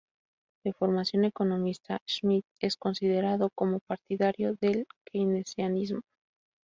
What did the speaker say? De formación economista, Schmidt es considerado como partidario del keynesianismo.